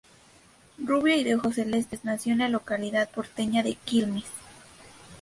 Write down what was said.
Rubia y de ojos celestes nació en la localidad porteña de Quilmes.